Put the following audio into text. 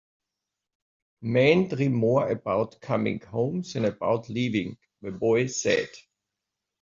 "Men dream more about coming home than about leaving," the boy said.